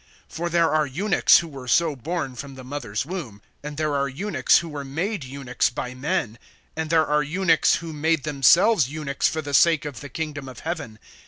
(12)For there are eunuchs, who were so born from the mother's womb; and there are eunuchs, who were made eunuchs by men; and there are eunuchs, who made themselves eunuchs for the sake of the kingdom of heaven.